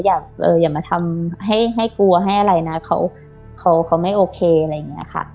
อย่ามาทำให้ให้กลัวให้อะไรนะเขาไม่โอเคอะไรอย่างนี้ค่ะ